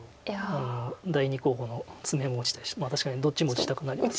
第２候補のツメも打ちたいし確かにどっちも打ちたくなります。